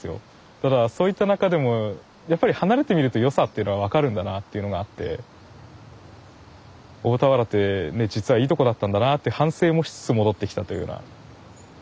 だからそういった中でもやっぱり離れてみると良さっていうのは分かるんだなっていうのがあって大田原ってね実はいいとこだったんだなあって反省もしつつ戻ってきたというような。